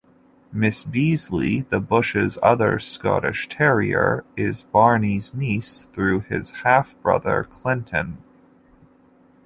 Miss Beazley, the Bushes' other Scottish terrier, is Barney's niece through his half-brother, Clinton.